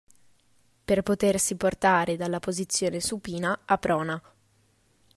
Per potersi portare dalla posizione supina a prona.